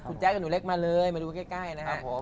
คุณแจ๊คกับหนูเล็กมาเลยมาดูใกล้นะครับผม